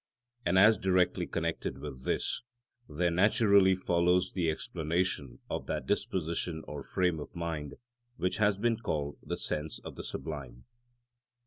And as directly connected with this, there naturally follows the explanation of that disposition or frame of mind which has been called the sense of the sublime.